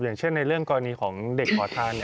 อย่างเช่นในเรื่องกรณีของเด็กขอทาน